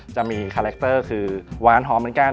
จะมีคาแรคเตอร์คือหวานหอมเหมือนกัน